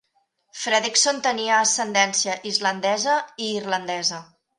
Fredrickson tenia ascendència islandesa i irlandesa.